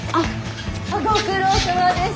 ご苦労さまです。